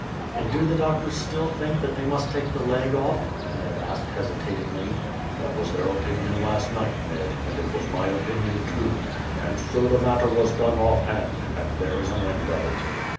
"And do the doctors still think that they must take the leg off?" Ned asked hesitatingly. "That was their opinion last night, Ned, and it was my opinion too; and so the matter was done off hand, and there is an end of it."